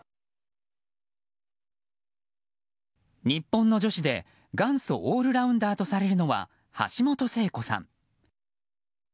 日本の女子で元祖オールラウンダーとされるのは橋本聖子さん。